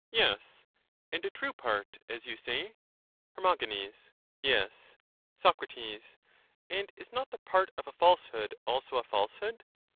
Yes, and a true part, as you say. Her. Yes. Soc. And is not the part of a falsehood also a falsehood?